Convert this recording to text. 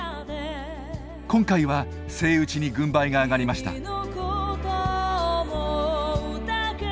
今回はセイウチに軍配が上がりました。